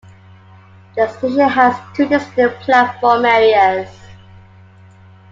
The station has two distinct platform areas.